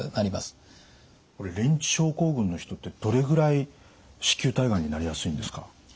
リンチ症候群の人ってどれぐらい子宮体がんになりやすいんですか？